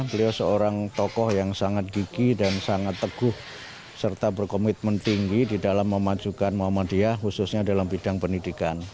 beliau seorang tokoh yang sangat gigi dan sangat teguh serta berkomitmen tinggi di dalam memajukan muhammadiyah khususnya dalam bidang pendidikan